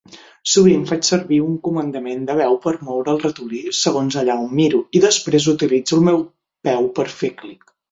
Sovint faig servir un comandament de veu per moure el ratolí segons allà on miro i després utilitzo el meu peu per fer clic.